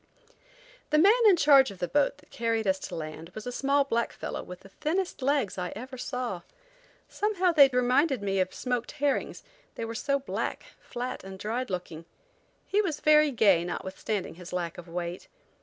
The man in charge of the boat that carried us to land was a small black fellow with the thinnest legs I ever saw. Somehow they reminded me of smoked herrings, they were so black, flat and dried looking. He was very gay notwithstanding his lack of weight.